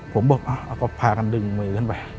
ผมบอกแล้วก็พากันดึงมือขึ้นไป